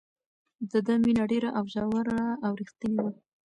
د ده مینه ډېره ژوره او رښتینې وه.